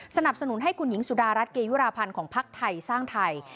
สนับสนุนให้คุณหญิงสุดารัฐเกยุราพันธ์ของพักไทยสร้างไทย